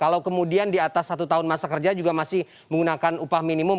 kalau kemudian di atas satu tahun masa kerja juga masih menggunakan upah minimum